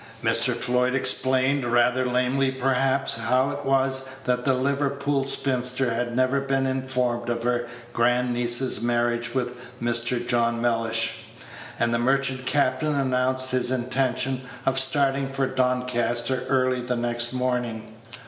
Mr. Floyd explained, rather lamely perhaps, how it was that the Liverpool spinster had never been informed of her grand niece's marriage with Mr. John Mellish; and the merchant captain announced his intention of starting for Doncaster early the next morning.